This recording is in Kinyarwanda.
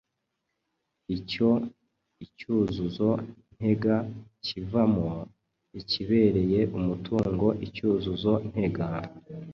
icyo icyuzuzo ntega kivamo, ikibereye umutungo icyuzuzo ntega,